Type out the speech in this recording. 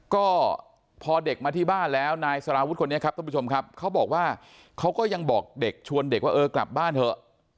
ก็พอเด็กมาที่บ้านแล้วนายสารวุฒิคนนี้ครับท่านผู้ชมครับเขาบอกว่าเขาก็ยังบอกเด็กชวนเด็กว่าเออกลับบ้านเถอะ